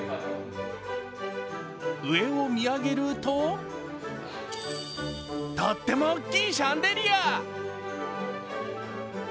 上を見上げると、とっても大きいシャンデリア。